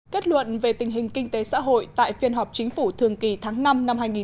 kết luận về tình hình kinh tế xã hội tại phiên họp chính phủ thường kỳ tháng năm năm hai nghìn một mươi chín